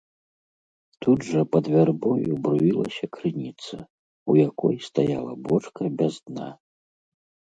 Тут жа пад вярбою бруілася крыніца, у якой стаяла бочка без дна.